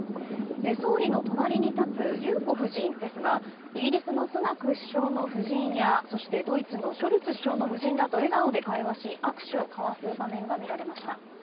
総理の隣に立つ裕子夫人ですがイギリスのスナク首相の夫人やそしてドイツのショルツ首相の夫人らと笑顔で会話し握手を交わす場面が見られました。